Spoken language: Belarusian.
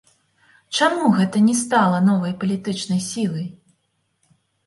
Чаму гэта не стала новай палітычнай сілай?